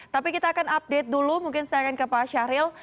tapi kita akan update dulu mungkin saya akan ke pak syahril